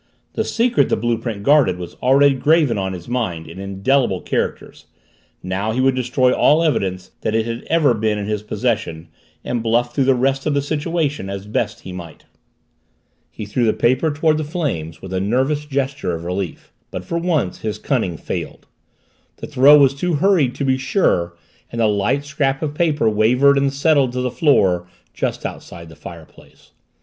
The secret the blue print guarded was already graven on his mind in indelible characters now he would destroy all evidence that it had ever been in his possession and bluff through the rest of the situation as best he might. He threw the paper toward the flames with a nervous gesture of relief. But for once his cunning failed the throw was too hurried to be sure and the light scrap of paper wavered and settled to the floor just outside the fireplace.